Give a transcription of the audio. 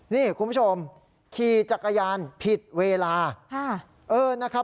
นี่คุณผู้ชมขี่จักรยานผิดเวลานะครับ